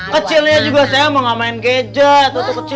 kecilnya juga saya mau gak main gadget